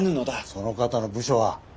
その方の部署は？